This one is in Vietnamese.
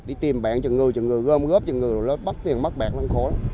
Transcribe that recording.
đi tìm bạn cho ngư cho ngư gom góp cho ngư bắt tiền mắc bạn khó lắm